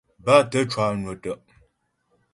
Bátə̀ cwànwə̀ tə'.